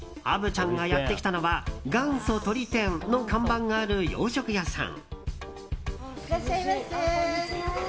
虻ちゃんがやってきたのは元祖とり天の看板がある洋食屋さん。